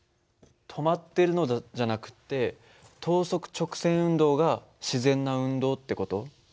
止まってるのじゃなくて等速直線運動が自然な運動って事？